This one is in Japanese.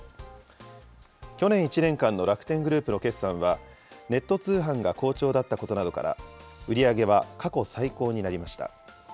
去年１年間の楽天グループの決算は、ネット通販が好調だったことなどから売り上げは過去最高になりました。